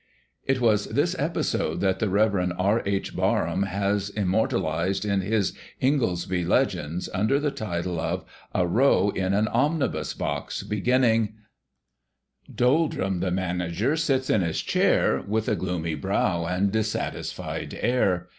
It was this episode that the Rev. R. H. Barham has im mortalized in his Ingoldsby Legends, under the title of "A Row in an Omnibus (box)," beginning : Doldrum the Manager sits in his chair, With a gloomy brow and dissatisfied air.